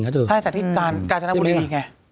ใช่แต่ที่กาญจนบุรีไง